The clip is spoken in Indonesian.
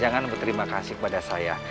jangan berterima kasih kepada saya